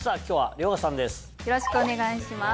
よろしくお願いします。